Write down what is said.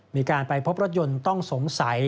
มีการไปพบรถยนต์ต้องสงสัย